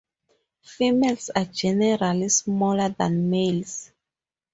Females are generally smaller than males.